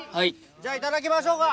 じゃあいただきましょうか。